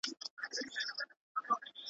اورېدل يې د رعيتو فريادونه.